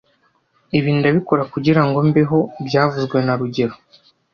Ibi ndabikora kugirango mbeho byavuzwe na rugero